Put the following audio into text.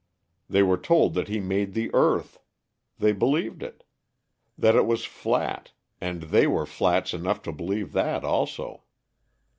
They were told that he made the earth. They believed it. That it was flat, and they were flats enough to believe that also.